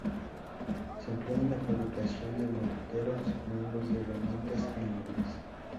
Se emplea en la fabricación de morteros, mangos de herramientas y muebles.